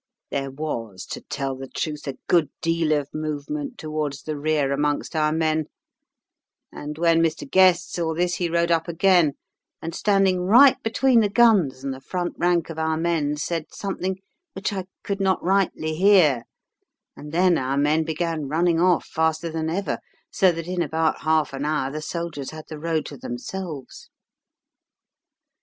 "There was, to tell the truth, a good deal of movement towards the rear amongst our men, and when Mr. Guest saw this he rode up again, and, standing right between the guns and the front rank of our men, said something which I could not rightly hear, and then our men began running off faster than ever, so that in about half an hour the soldiers had the road to themselves.